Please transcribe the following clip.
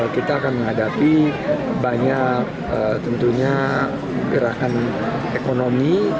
kita akan menghadapi banyak tentunya gerakan ekonomi